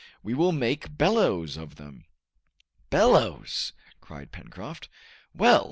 "We will make bellows of them!" "Bellows!" cried Pencroft. "Well!